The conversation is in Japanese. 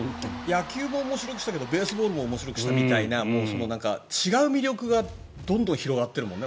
野球を面白くけどベースボールも面白くしたみたいな違う魅力がどんどん広がっているもんね。